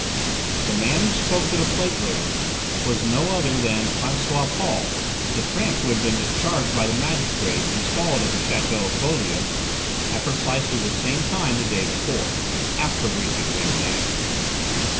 The man who spoke to the plate layer was no other than François Paul, the tramp who had been discharged by the magistrate installed at the château of Beaulieu, at precisely the same time the day before, after a brief examination.